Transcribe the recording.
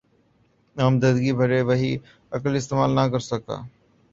نامزدگی بھرے، وہی عقل استعمال نہ کر سکا۔